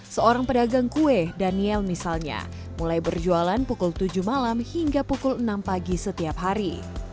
seorang pedagang kue daniel misalnya mulai berjualan pukul tujuh malam hingga pukul enam pagi setiap hari